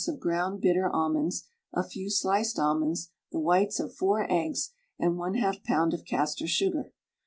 of ground bitter almonds, a few sliced almonds, the whites of 4 eggs, and 1/2 lb. of castor sugar.